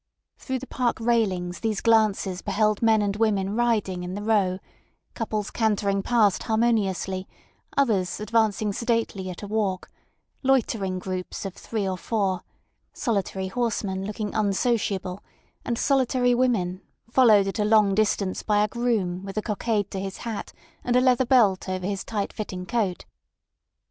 Through the park railings these glances beheld men and women riding in the Row, couples cantering past harmoniously, others advancing sedately at a walk, loitering groups of three or four, solitary horsemen looking unsociable, and solitary women followed at a long distance by a groom with a cockade to his hat and a leather belt over his tight fitting coat.